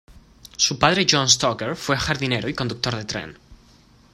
Su padre John Stocker fue jardinero y conductor de tren.